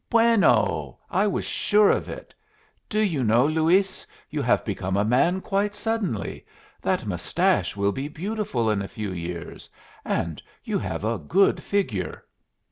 "Bueno! I was sure of it. Do you know, Luis, you have become a man quite suddenly? That mustache will be beautiful in a few years. And you have a good figure."